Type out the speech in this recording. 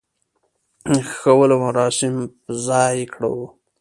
د خښولو مراسم په ځاى کړو.